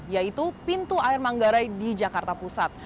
yaitu pintu air manggarai di jakarta pusat